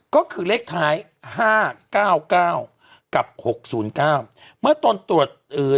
ก็คือเลขท้ายห้าเก้าเก้ากับหกศูนย์เก้าเมื่อตนตรวจเอ่อ